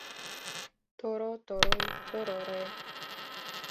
То-ро, то-рой, то-ро-ре-е...